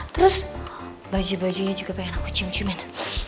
terus baju bajunya juga banyak aku cium ciumin